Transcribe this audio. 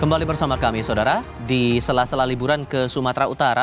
kembali bersama kami saudara di sela sela liburan ke sumatera utara